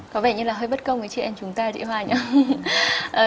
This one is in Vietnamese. có vẻ như là hơi bất công với chị em chúng ta thị hoa nhé